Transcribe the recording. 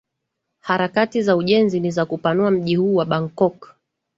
harakati za ujenzi ni za kupanua mji huu wa bangkok